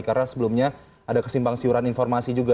karena sebelumnya ada kesimpang siuran informasi juga